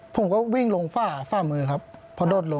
ผมก็วิ่งลงฝ้าฝ่ามือครับพอโดดลง